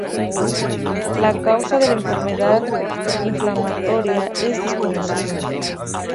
La causa de la enfermedad inflamatoria es desconocida.